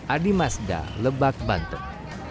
adi mazda lebak banten